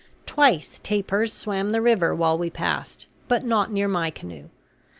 Twice tapirs swam the river while we passed, but not near my canoe.